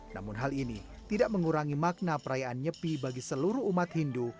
namun hal ini tidak mengurangi makna perayaan nyepi bagi seluruh umat hindu